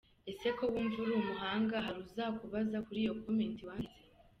ese ko wunva uri imuhanga, hari uzakubaza kuriyo comment wanditse?